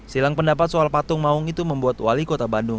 silang pendapat soal patung maung itu membuat wali kota bandung